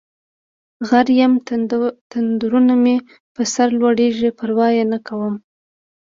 غر یم تندرونه مې په سرلویږي پروا یې نکړم